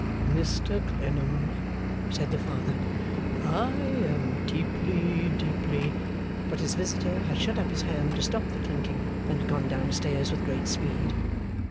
'Mr Clennam,' said the Father, 'I am deeply, deeply ' But his visitor had shut up his hand to stop the clinking, and had gone down stairs with great speed.